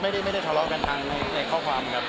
ไม่ได้ทะเลาะกันทางในข้อความครับ